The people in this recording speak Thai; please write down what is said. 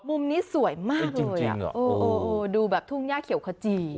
มุมนี้สวยมากเลยโอ้โหดูแบบทุ่งย่าเขียวขจี